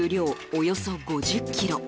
およそ５０ｋｇ。